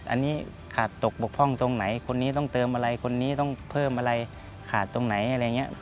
อันนี้ขาดตกบกพร่องตรงไหนคนนี้ต้องเติมอะไรคนนี้ต้องเพิ่มอะไรขาดตรงไหนอะไรอย่างนี้